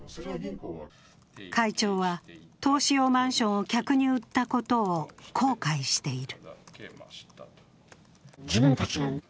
会長は、投資用マンションを客に売ったことを後悔している。